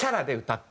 って